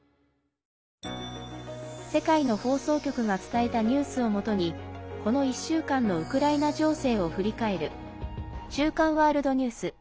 世界の放送局が伝えたニュースをもとにこの１週間のウクライナ情勢を振り返る「週刊ワールドニュース」。